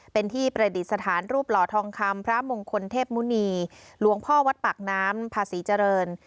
เป็นที่ประดิษฐานรูปหล่อทองคำพระมงคลเทพมุณีหลวงพ่อวัดปากน้ำพาศรีเจริญ